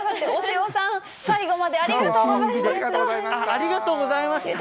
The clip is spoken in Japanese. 押尾さん、最後までありがとうございました。